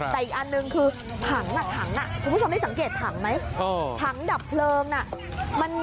แต่อีกอันหนึ่งคือถังถังคุณผู้ชมได้สังเกตถังไหมถังดับเพลิงน่ะ